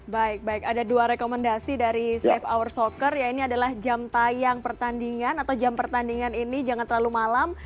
baik baik ada dua rekomendasi dari safe hour soccer ya ini adalah jam tayang pertandingan atau jam pertandingan ini jangan terlalu malam